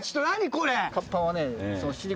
これ。